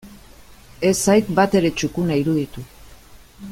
Ez zait batere txukuna iruditu.